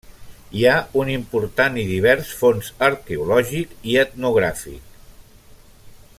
Hi ha un important i divers fons arqueològic i etnogràfic.